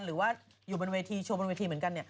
หรือว่าอยู่บนเวทีโชว์บนเวทีเหมือนกัน